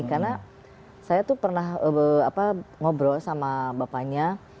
karena saya tuh pernah ngobrol sama bapaknya